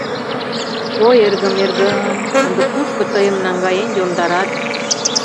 — Ой, эргым, эргым... ынде кушко тыйым наҥгаен йомдарат?